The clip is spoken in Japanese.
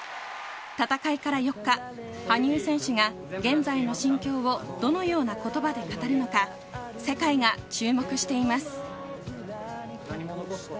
戦いから４日、羽生選手が現在の心境をどのようなことばで語るのか、世界が注目しています。